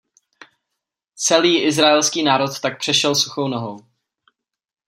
Celý izraelský národ tak přešel suchou nohou.